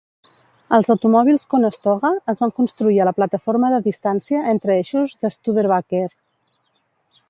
Els automòbils Conestoga es van construir a la plataforma de distància entre eixos de Studerbaker.